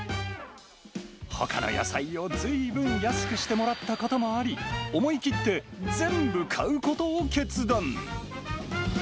ほかの野菜をずいぶん安くしてもらったこともあり、思い切って全部買うことを決断。